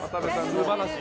素晴らしい。